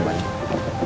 sampai jumpa lagi